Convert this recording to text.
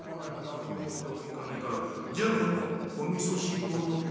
何にもってわけいかないからじゃこのおみそ汁を特別に。